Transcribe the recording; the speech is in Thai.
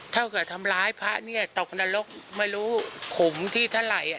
เท่ากับทำร้ายพระตกนรกไม่รู้ขุมที่เท่าไหร่